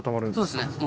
そうですね。